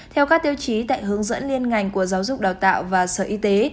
theo các tiêu chí tại hướng dẫn liên ngành của giáo dục đào tạo và sở y tế